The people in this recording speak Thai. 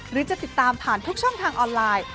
หรือจะติดตามผ่านทุกช่องทางออนไลน์